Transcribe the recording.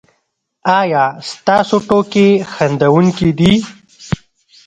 ایا ستاسو ټوکې خندونکې دي؟